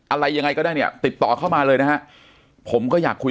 อะไรยังไงก็ได้เนี่ยติดต่อเข้ามาเลยนะฮะผมก็อยากคุย